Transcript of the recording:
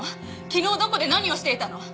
昨日どこで何をしていたの？